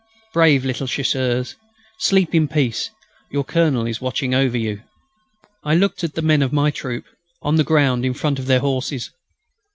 Brave little Chasseurs! sleep in peace; your Colonel is watching over you. I looked at the men of my troop, on the ground in front of their horses.